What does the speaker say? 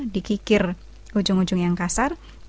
dikikir ujung ujung yang kasar